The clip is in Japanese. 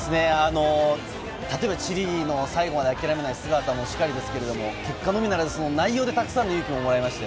例えばチリの最後まで諦めない姿もしかり、結果のみならず内容でたくさんの勇気をもらいました。